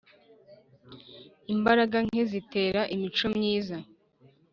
Imbaraga nke zitera imico myiza.